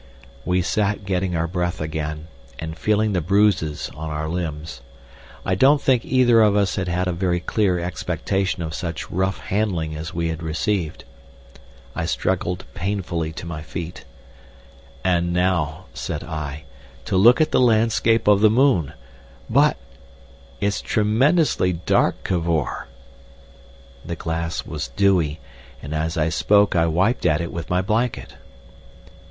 We sat getting our breath again, and feeling the bruises on our limbs. I don't think either of us had had a very clear expectation of such rough handling as we had received. I struggled painfully to my feet. "And now," said I, "to look at the landscape of the moon! But—! It's tremendously dark, Cavor!" The glass was dewy, and as I spoke I wiped at it with my blanket.